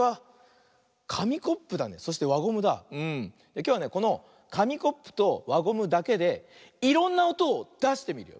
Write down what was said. きょうはねこのかみコップとわゴムだけでいろんなおとをだしてみるよ。